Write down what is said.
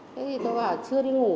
thế thì tôi bảo chưa đi ngủ